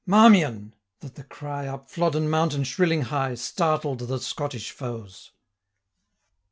Marmion!' that the cry, Up Flodden mountain shrilling high, Startled the Scottish foes.